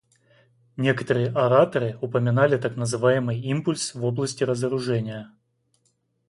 Некоторые ораторы упоминали так называемый импульс в области разоружения.